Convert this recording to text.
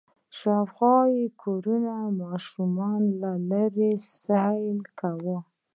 د شاوخوا کورونو ماشومانو له لېرې سيل کوه.